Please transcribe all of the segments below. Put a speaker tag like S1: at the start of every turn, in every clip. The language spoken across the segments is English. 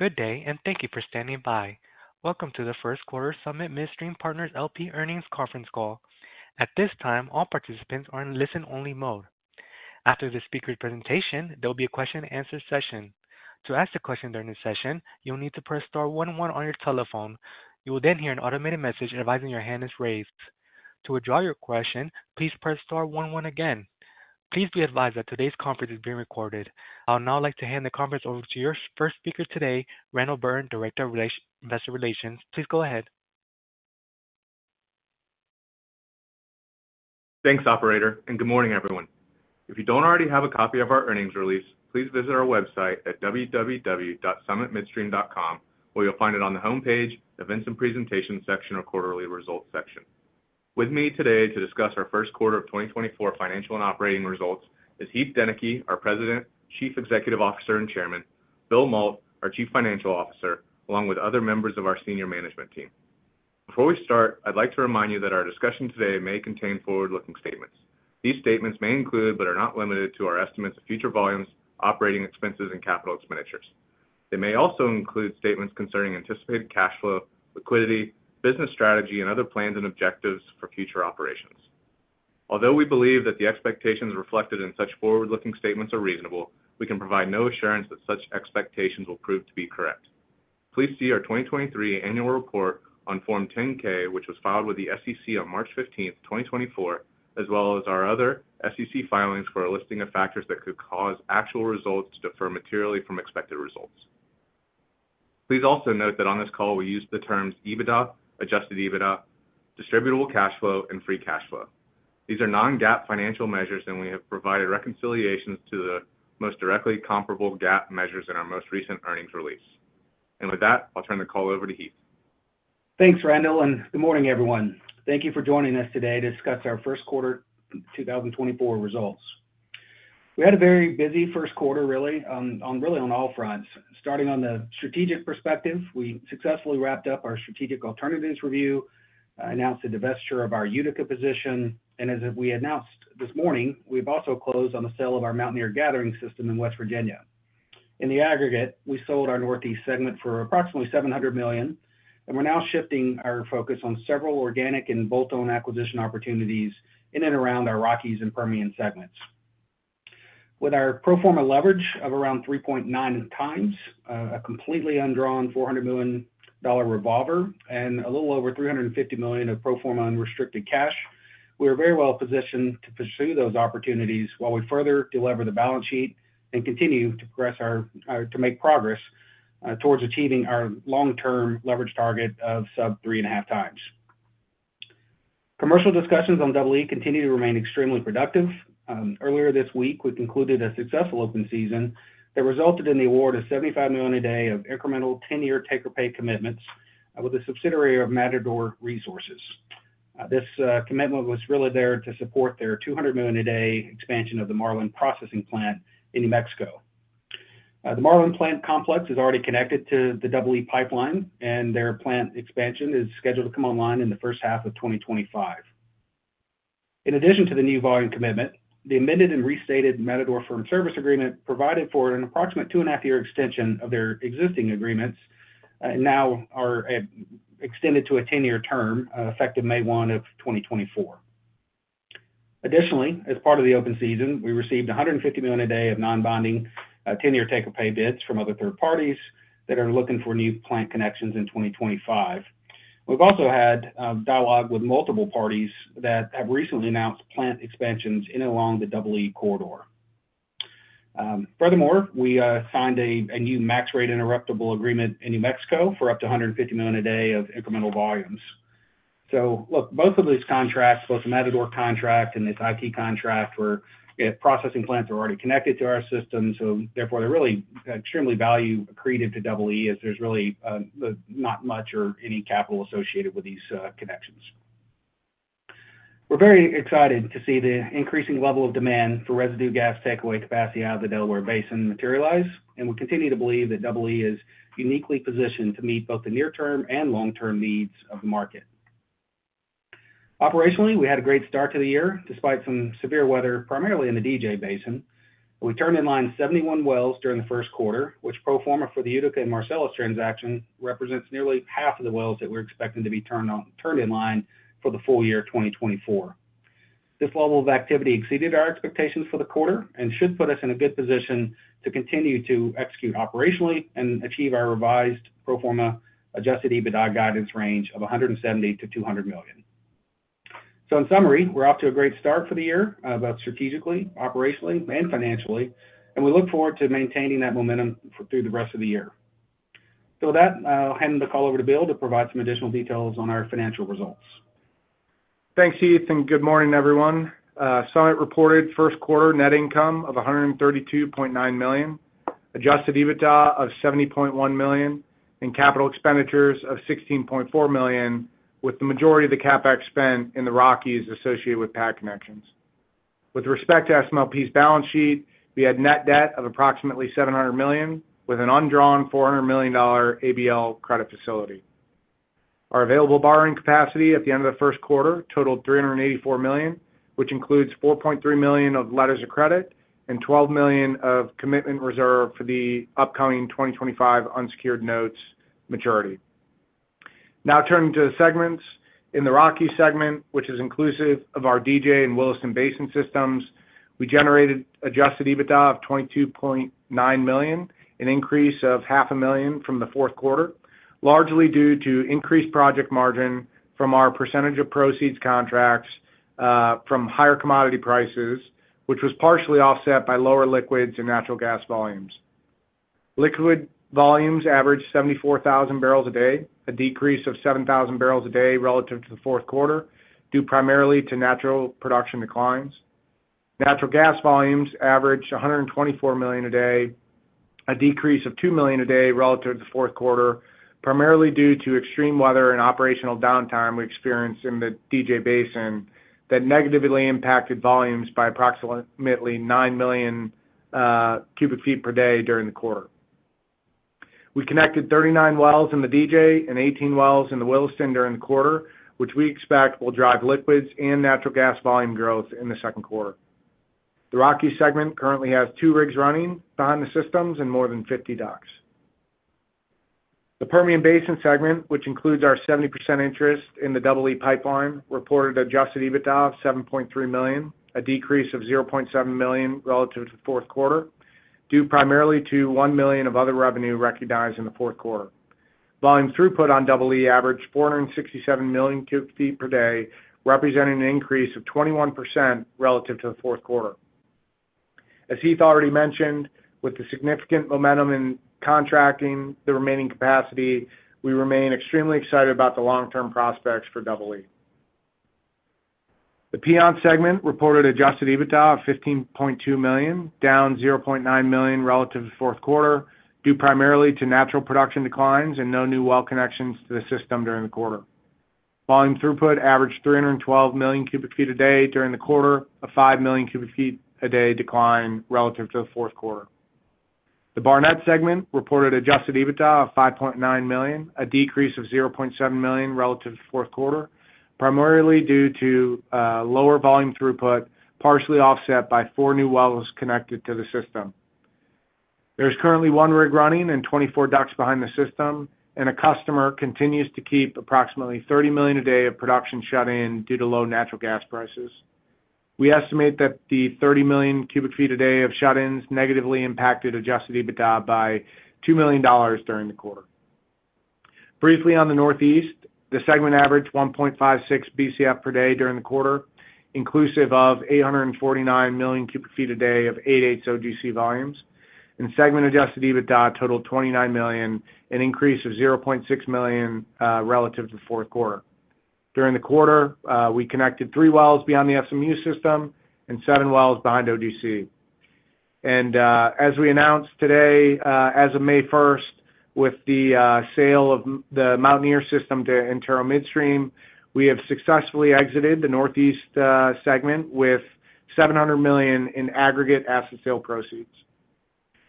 S1: Good day, and thank you for standing by. Welcome to the first quarter Summit Midstream Partners, LP, earnings Conference Call. At this time, all participants are in listen-only mode. After the speaker presentation, there will be a question-and-answer session. To ask a question during the session, you'll need to press star one one on your telephone. You will then hear an automated message advising your hand is raised. To withdraw your question, please press star one one again. Please be advised that today's conference is being recorded. I would now like to hand the conference over to your first speaker today, Randall Burns, Director of Investor Relations. Please go ahead.
S2: Thanks, operator, and good morning, everyone. If you don't already have a copy of our earnings release, please visit our website at www.summitmidstream.com, where you'll find it on the Homepage, Events and Presentations section, or Quarterly Results section. With me today to discuss our first quarter of 2024 financial and operating results is Heath Deneke, our President, Chief Executive Officer, and Chairman, Bill Mault, our Chief Financial Officer, along with other members of our senior management team. Before we start, I'd like to remind you that our discussion today may contain forward-looking statements. These statements may include, but are not limited to, our estimates of future volumes, operating expenses, and capital expenditures. They may also include statements concerning anticipated cash flow, liquidity, business strategy, and other plans and objectives for future operations. Although we believe that the expectations reflected in such forward-looking statements are reasonable, we can provide no assurance that such expectations will prove to be correct. Please see our 2023 annual report on Form 10-K, which was filed with the SEC on March fifteenth, 2024, as well as our other SEC filings for a listing of factors that could cause actual results to differ materially from expected results. Please also note that on this call, we use the terms EBITDA, adjusted EBITDA, distributable cash flow, and free cash flow. These are non-GAAP financial measures, and we have provided reconciliations to the most directly comparable GAAP measures in our most recent earnings release. With that, I'll turn the call over to Heath.
S3: Thanks, Randall, and good morning, everyone. Thank you for joining us today to discuss our first quarter 2024 results. We had a very busy first quarter, really, on really on all fronts. Starting on the strategic perspective, we successfully wrapped up our strategic alternatives review, announced the divestiture of our Utica position, and as we announced this morning, we've also closed on the sale of our Mountaineer Gathering System in West Virginia. In the aggregate, we sold our Northeast segment for approximately $700 million, and we're now shifting our focus on several organic and bolt-on acquisition opportunities in and around our Rockies and Permian segments. With our pro forma leverage of around 3.9 of tons, a completely undrawn $400 million revolver and a little over $350 million of pro forma unrestricted cash, we are very well positioned to pursue those opportunities while we further delever the balance sheet and continue to make progress towards achieving our long-term leverage target of sub-3.5x. Commercial discussions on Double E continue to remain extremely productive. Earlier this week, we concluded a successful open season that resulted in the award of 75 million a day of incremental ten-year take-or-pay commitments with a subsidiary of Matador Resources. This commitment was really there to support their 200 million a day expansion of the Marlan processing plant in New Mexico. The Marlan plant complex is already connected to the Double E Pipeline, and their plant expansion is scheduled to come online in the first half of 2025. In addition to the new volume commitment, the amended and restated Matador Firm Service Agreement provided for an approximate 2.5-year extension of their existing agreements, now are extended to a 10-year term, effective May 1, 2024. Additionally, as part of the open season, we received 150 million a day of non-binding, 10-year take-or-pay bids from other third parties that are looking for new plant connections in 2025. We've also had, dialogue with multiple parties that have recently announced plant expansions in along the Double E corridor. Furthermore, we signed a new max rate interruptible agreement in New Mexico for up to 150 million a day of incremental volumes. So look, both of these contracts, both the Matador contract and this IT contract, where processing plants are already connected to our system, so therefore they're really extremely value accretive to Double E, as there's really not much or any capital associated with these connections. We're very excited to see the increasing level of demand for residue gas takeaway capacity out of the Delaware Basin materialize, and we continue to believe that Double E is uniquely positioned to meet both the near-term and long-term needs of the market. Operationally, we had a great start to the year, despite some severe weather, primarily in the DJ Basin. We turned in line 71 wells during the first quarter, which pro forma for the Utica and Marcellus transaction, represents nearly half of the wells that we're expecting to be turned in line for the full year of 2024. This level of activity exceeded our expectations for the quarter and should put us in a good position to continue to execute operationally and achieve our revised pro forma Adjusted EBITDA guidance range of $170 million-$200 million. So in summary, we're off to a great start for the year, both strategically, operationally, and financially, and we look forward to maintaining that momentum through the rest of the year. So with that, I'll hand the call over to Bill to provide some additional details on our financial results.
S4: Thanks, Heath, and good morning, everyone. Summit reported first quarter net income of $132.9 million, adjusted EBITDA of $70.1 million, and capital expenditures of $16.4 million, with the majority of the CapEx spent in the Rockies associated with pad connections. With respect to SMP's balance sheet, we had net debt of approximately $700 million, with an undrawn $400 million ABL credit facility.... Our available borrowing capacity at the end of the first quarter totaled $384 million, which includes $4.3 million of letters of credit and $12 million of commitment reserve for the upcoming 2025 unsecured notes maturity. Now turning to the segments. In the Rockies segment, which is inclusive of our DJ and Williston Basin Systems, we generated Adjusted EBITDA of $22.9 million, an increase of $0.5 million from the fourth quarter, largely due to increased project margin from our percentage of proceeds contracts, from higher commodity prices, which was partially offset by lower liquids and natural gas volumes. Liquid volumes averaged 74,000 barrels a day, a decrease of 7,000 barrels a day relative to the fourth quarter, due primarily to natural production declines. Natural gas volumes averaged 124 million a day, a decrease of 2 million a day relative to the fourth quarter, primarily due to extreme weather and operational downtime we experienced in the DJ Basin that negatively impacted volumes by approximately 9 million cubic feet per day during the quarter. We connected 39 wells in the DJ and 18 wells in the Williston during the quarter, which we expect will drive liquids and natural gas volume growth in the second quarter. The Rockies segment currently has 2 rigs running behind the systems and more than 50 DUCs. The Permian Basin segment, which includes our 70% interest in the Double E Pipeline, reported adjusted EBITDA of $7.3 million, a decrease of $0.7 million relative to the fourth quarter, due primarily to $1 million of other revenue recognized in the fourth quarter. Volume throughput on Double E averaged 467 million cubic feet per day, representing an increase of 21% relative to the fourth quarter. As Heath already mentioned, with the significant momentum in contracting the remaining capacity, we remain extremely excited about the long-term prospects for Double E. The Piceance segment reported Adjusted EBITDA of $15.2 million, down $0.9 million relative to the fourth quarter, due primarily to natural production declines and no new well connections to the system during the quarter. Volume throughput averaged 312 million cubic feet a day during the quarter, a 5 million cubic feet a day decline relative to the fourth quarter. The Barnett segment reported adjusted EBITDA of $5.9 million, a decrease of $0.7 million relative to the fourth quarter, primarily due to lower volume throughput, partially offset by four new wells connected to the system. There's currently one rig running and 24 DUCs behind the system, and a customer continues to keep approximately 30 million a day of production shut in due to low natural gas prices. We estimate that the 30 million cubic feet a day of shut-ins negatively impacted adjusted EBITDA by $2 million during the quarter. Briefly, on the Northeast, the segment averaged 1.56 BCF per day during the quarter, inclusive of 849 million cubic feet a day of 8/8ths OGC volumes, and segment adjusted EBITDA totaled $29 million, an increase of $0.6 million relative to the fourth quarter. During the quarter, we connected three wells beyond the SMU system and seven wells behind OGC. And, as we announced today, as of May 1st, with the sale of the Mountaineer system to Antero Midstream, we have successfully exited the Northeast segment with $700 million in aggregate asset sale proceeds.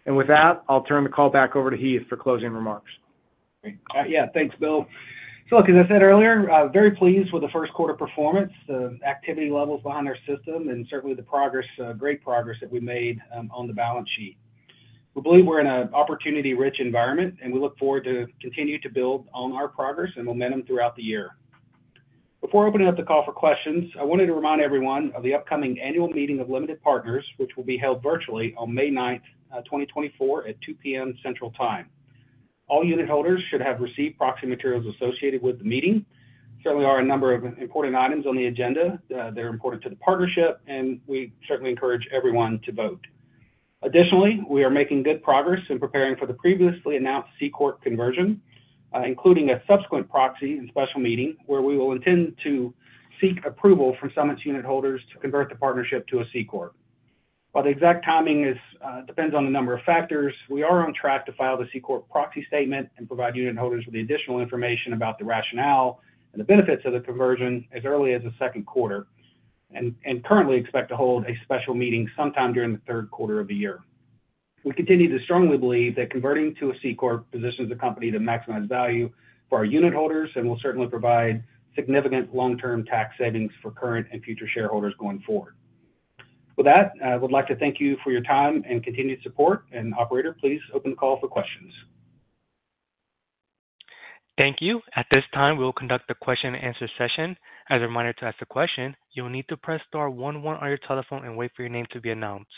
S4: And with that, I'll turn the call back over to Heath for closing remarks.
S3: Great. Yeah, thanks, Bill. So look, as I said earlier, very pleased with the first quarter performance, the activity levels behind our system, and certainly the progress, great progress that we made on the balance sheet. We believe we're in an opportunity-rich environment, and we look forward to continue to build on our progress and momentum throughout the year. Before opening up the call for questions, I wanted to remind everyone of the upcoming annual meeting of Limited Partners, which will be held virtually on May ninth, 2024, at 2:00 P.M. Central Time. All unitholders should have received proxy materials associated with the meeting. Certainly, there are a number of important items on the agenda. They're important to the partnership, and we certainly encourage everyone to vote. Additionally, we are making good progress in preparing for the previously announced C-Corp conversion, including a subsequent proxy and special meeting, where we will intend to seek approval from Summit's unitholders to convert the partnership to a C-Corp. While the exact timing depends on a number of factors, we are on track to file the C-Corp proxy statement and provide unitholders with the additional information about the rationale and the benefits of the conversion as early as the second quarter, and currently expect to hold a special meeting sometime during the third quarter of the year. We continue to strongly believe that converting to a C-Corp positions the company to maximize value for our unitholders and will certainly provide significant long-term tax savings for current and future shareholders going forward. With that, I would like to thank you for your time and continued support. Operator, please open the call for questions.
S1: Thank you. At this time, we will conduct a question-and-answer session. As a reminder to ask a question, you will need to press star one one on your telephone and wait for your name to be announced.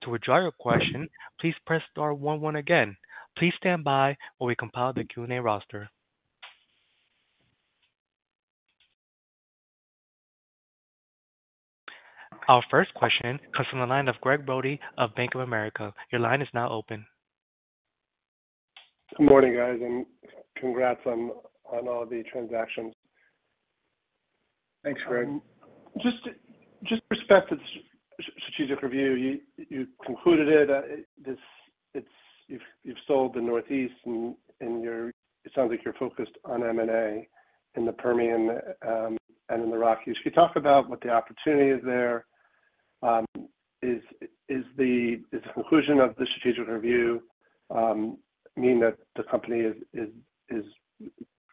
S1: To withdraw your question, please press star one one again. Please stand by while we compile the Q&A roster. Our first question comes from the line of Gregg Brody of Bank of America. Your line is now open.
S5: Good morning, guys, and congrats on, on all the transactions.
S3: Thanks, Gregg.
S5: Just with respect to the strategic review, you concluded it. You've sold the Northeast, and it sounds like you're focused on M&A in the Permian and in the Rockies. Can you talk about what the opportunity is there? Does the conclusion of the strategic review mean that the company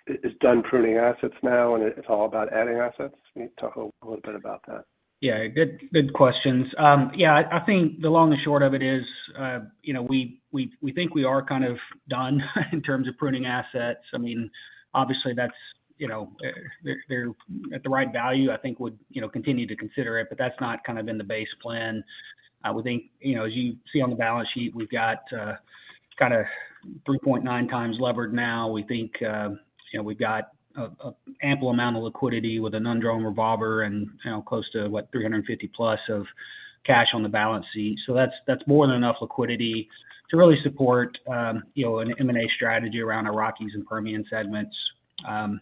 S5: is done pruning assets now, and it's all about adding assets? Can you talk a little bit about that?
S3: Yeah, good questions. Yeah, I think the long and short of it is, you know, we think we are kind of done in terms of pruning assets. I mean, obviously, that's, you know, if they're at the right value, I think we'd, you know, continue to consider it, but that's not kind of been the base plan. I would think, you know, as you see on the balance sheet, we've got kind of 3.9 times levered now. We think, you know, we've got an ample amount of liquidity with an undrawn revolver and, you know, close to, what? $350+ million of cash on the balance sheet. So that's more than enough liquidity to really support, you know, an M&A strategy around our Rockies and Permian segments.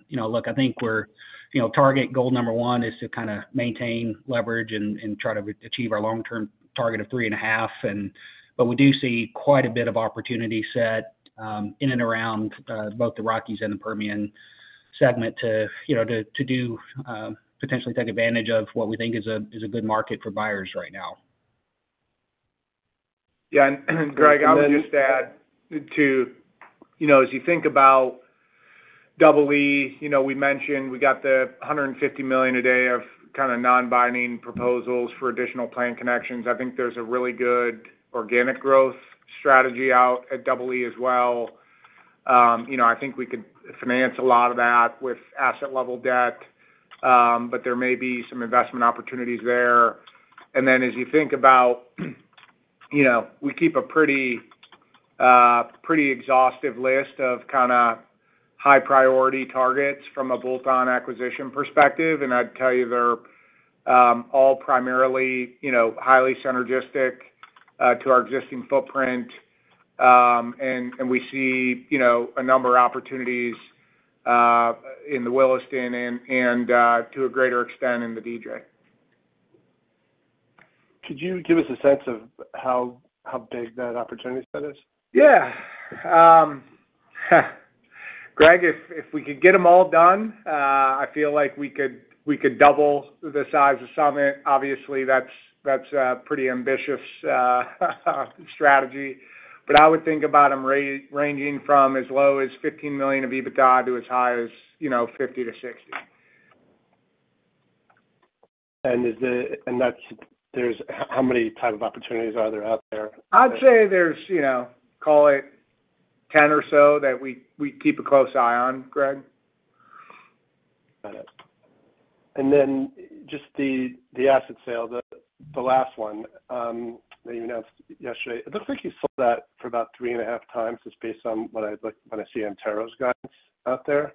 S3: You know, look, I think we're you know, target goal number one is to kind of maintain leverage and try to achieve our long-term target of 3.5. But we do see quite a bit of opportunity set in and around both the Rockies and the Permian segment to, you know, to do potentially take advantage of what we think is a good market for buyers right now.
S4: Yeah, and Greg, I would just add to, you know, as you think about Double E, you know, we mentioned we got the 150 million a day of kind of non-binding proposals for additional plant connections. I think there's a really good organic growth strategy out at Double E as well. You know, I think we could finance a lot of that with asset level debt, but there may be some investment opportunities there. And then as you think about, you know, we keep a pretty exhaustive list of kind of high priority targets from a bolt-on acquisition perspective. And I'd tell you, they're all primarily, you know, highly synergistic to our existing footprint. And we see, you know, a number of opportunities in the Williston and to a greater extent, in the DJ.
S5: Could you give us a sense of how big that opportunity set is?
S4: Yeah. Greg, if we could get them all done, I feel like we could double the size of Summit. Obviously, that's a pretty ambitious strategy. But I would think about them ranging from as low as 15 million of EBITDA to as high as, you know, 50-60.
S5: How many type of opportunities are there out there?
S4: I'd say there's, you know, call it 10 or so that we keep a close eye on, Gregg.
S5: Got it. Then just the asset sale, the last one that you announced yesterday. It looks like you sold that for about 3.5x, just based on what I see Antero's guidance out there.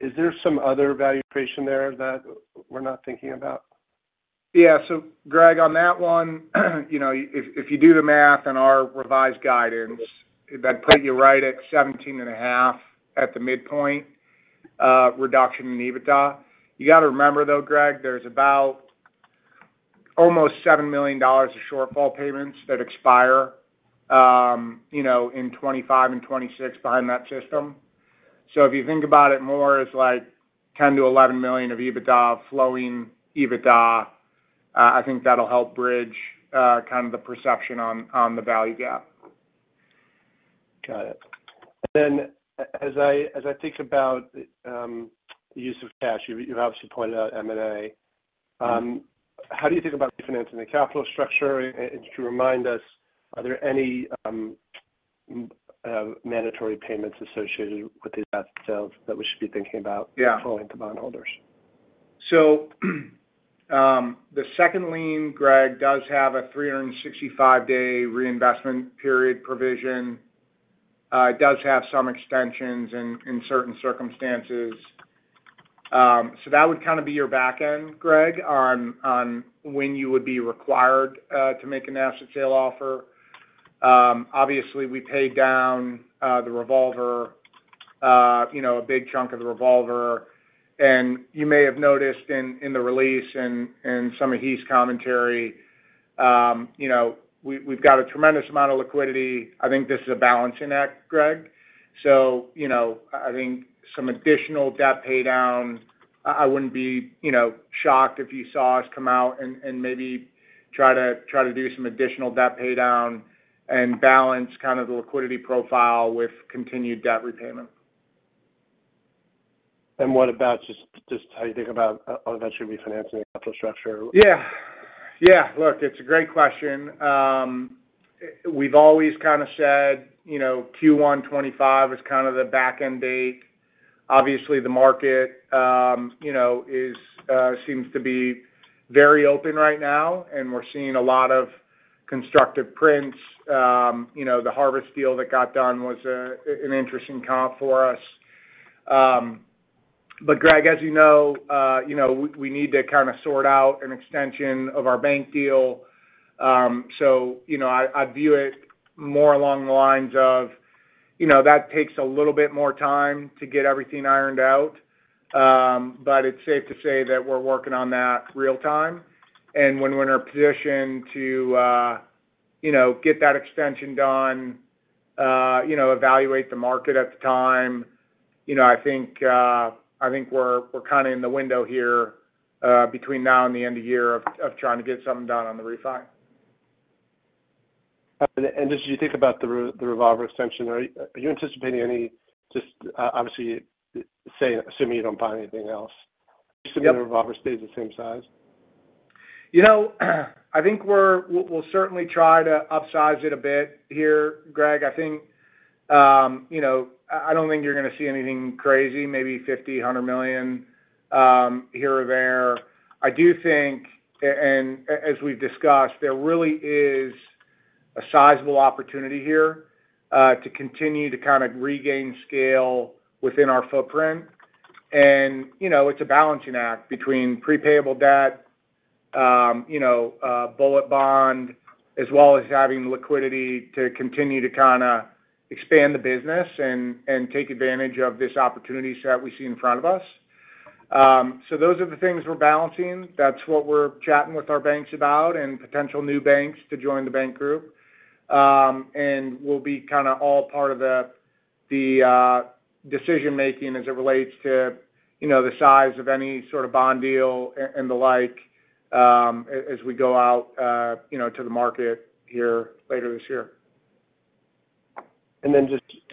S5: Is there some other valuation there that we're not thinking about?
S4: Yeah. So Gregg, on that one, you know, if you do the math on our revised guidance, that'd put you right at 17.5 at the midpoint, reduction in EBITDA. You got to remember, though, Gregg, there's about almost $7 million of shortfall payments that expire, you know, in 2025 and 2026 behind that system. So if you think about it more as like $10 million-$11 million of EBITDA, flowing EBITDA, I think that'll help bridge, kind of the perception on, on the value gap.
S5: Got it. And then as I think about use of cash, you've obviously pointed out M&A. How do you think about refinancing the capital structure? And could you remind us, are there any mandatory payments associated with the asset sales that we should be thinking about?
S4: Yeah...
S5: owing to bondholders?
S4: So, the second lien, Gregg, does have a 365-day reinvestment period provision. It does have some extensions in certain circumstances. So that would kind of be your back end, Greg, on when you would be required to make an asset sale offer. Obviously, we paid down the revolver, you know, a big chunk of the revolver, and you may have noticed in the release and some of Heath's commentary, you know, we've got a tremendous amount of liquidity. I think this is a balancing act, Gregg. So, you know, I think some additional debt paydown, I wouldn't be, you know, shocked if you saw us come out and maybe try to do some additional debt paydown and balance kind of the liquidity profile with continued debt repayment.
S5: What about just how you think about eventually refinancing the capital structure?
S4: Yeah. Yeah, look, it's a great question. We've always kind of said, you know, Q1 2025 is kind of the back-end date. Obviously, the market, you know, seems to be very open right now, and we're seeing a lot of constructive prints. You know, the Harvest deal that got done was an interesting comp for us. But Gregg, as you know, you know, we need to kind of sort out an extension of our bank deal. So, you know, I view it more along the lines of, you know, that takes a little bit more time to get everything ironed out. But it's safe to say that we're working on that real time. And when we're in a position to, you know, get that extension done, you know, evaluate the market at the time. You know, I think, I think we're, we're kind of in the window here, between now and the end of year of, of trying to get something done on the refi.
S5: And as you think about the revolver extension, are you anticipating any—just, obviously, say, assuming you don't buy anything else-
S4: Yep.
S5: Assuming the revolver stays the same size?
S4: You know, I think we'll certainly try to upsize it a bit here, Gregg. I think, you know, I don't think you're gonna see anything crazy, maybe $50 million, $100 million here or there. I do think, and as we've discussed, there really is a sizable opportunity here to continue to kind of regain scale within our footprint. And, you know, it's a balancing act between prepayable debt, you know, a bullet bond, as well as having liquidity to continue to kinda expand the business and take advantage of this opportunity set we see in front of us. So those are the things we're balancing. That's what we're chatting with our banks about, and potential new banks to join the bank group. And we'll be kind of all part of the decision-making as it relates to, you know, the size of any sort of bond deal and the like, as we go out, you know, to the market here later this year.
S5: Then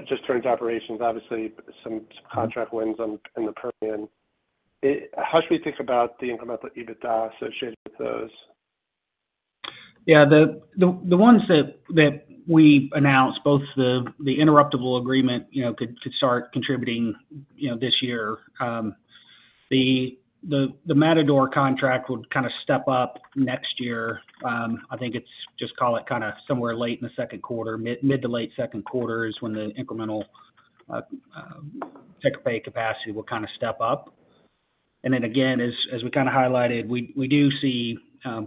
S5: just turn to operations. Obviously, some contract wins in the Permian. How should we think about the incremental EBITDA associated with those?
S3: Yeah, the ones that we announced, both the interruptible agreement, you know, could start contributing, you know, this year. The Matador contract would kind of step up next year. I think it's just call it kind of somewhere late in the second quarter. Mid to late second quarter is when the incremental take-or-pay capacity will kind of step up. And then again, as we kind of highlighted, we do see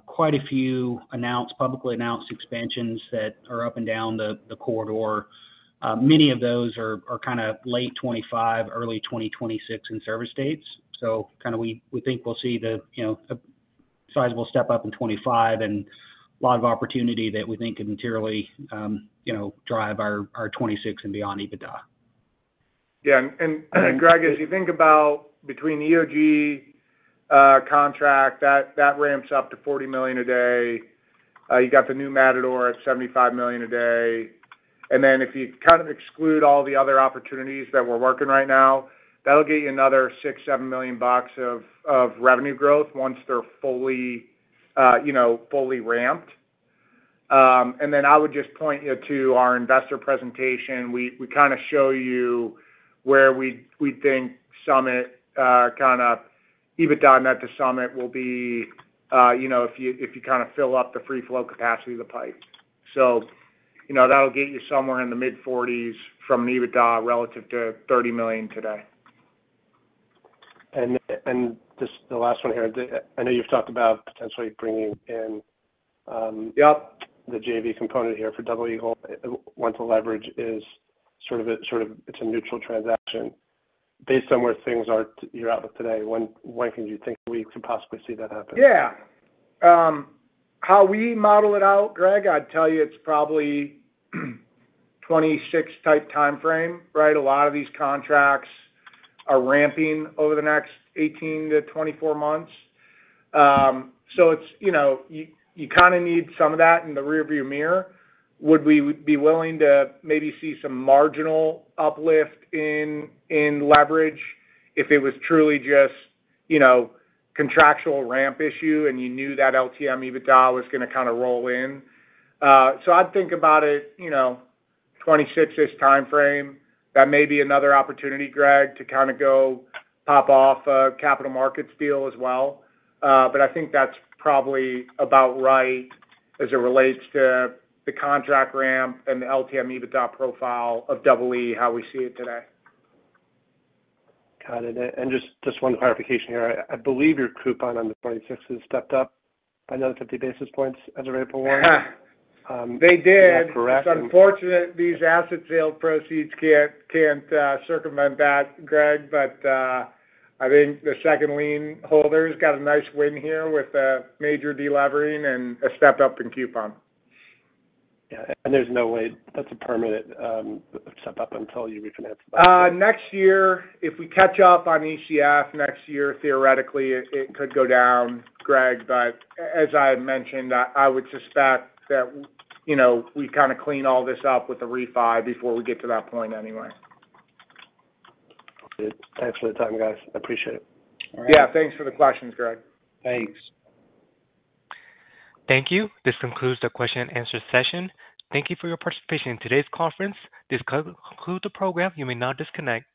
S3: quite a few announced, publicly announced expansions that are up and down the corridor. Many of those are kind of late 2025, early 2026 in service dates. So, kind of, we think we'll see, you know, a sizable step up in 2025, and a lot of opportunity that we think can materially, you know, drive our 2026 and beyond EBITDA.
S4: Yeah. And Gregg, as you think about between the EOG contract that ramps up to 40 million a day. You got the new Matador at 75 million a day. And then if you kind of exclude all the other opportunities that we're working right now, that'll get you another $6-7 million of revenue growth once they're fully, you know, fully ramped. And then I would just point you to our investor presentation. We kind of show you where we think Summit kind of EBITDA net to Summit will be, you know, if you kind of fill up the free flow capacity of the pipe. So, you know, that'll get you somewhere in the mid-40s from an EBITDA relative to $30 million today.
S5: Just the last one here. I know you've talked about potentially bringing in
S4: Yep...
S5: the JV component here for Double E Pipeline. 1-to-1 leverage is sort of a, sort of, it's a neutral transaction. Based on where things are, your outlook today, when can you think we could possibly see that happen?
S4: Yeah. How we model it out, Gregg, I'd tell you it's probably 2026 type timeframe, right? A lot of these contracts are ramping over the next 18-24 months. So it's, you know, you, you kind of need some of that in the rearview mirror. Would we be willing to maybe see some marginal uplift in, in leverage if it was truly just, you know, contractual ramp issue, and you knew that LTM EBITDA was gonna kind of roll in? So I'd think about it, you know, 2026-ish timeframe. That may be another opportunity, Gregg, to kind of go pop off a capital markets deal as well. But I think that's probably about right as it relates to the contract ramp and the LTM EBITDA profile of Double E, how we see it today.
S5: Got it. And just one clarification here. I believe your coupon on the '26 has stepped up by another 50 basis points as of April 1.
S4: They did.
S5: Is that correct?
S4: It's unfortunate these asset sale proceeds can't circumvent that, Gregg, but I think the second lien holder's got a nice win here with a major delevering and a stepped-up in coupon.
S5: Yeah, and there's no way that's a permanent step up until you refinance that.
S4: Next year, if we catch up on ECF next year, theoretically, it could go down, Gregg. But as I had mentioned, I would suspect that, you know, we kind of clean all this up with a refi before we get to that point anyway.
S5: Good. Thanks for the time, guys. I appreciate it.
S4: All right. Yeah, thanks for the questions, Gregg.
S3: Thanks.
S1: Thank you. This concludes the question and answer session. Thank you for your participation in today's conference. This concludes the program. You may now disconnect.